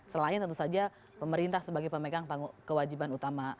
selain tentu saja pemerintah sebagai pemegang tanggung kewajiban utama